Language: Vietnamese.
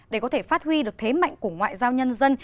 để có thể phát huy được thế mạnh của ngoại giao nhân dân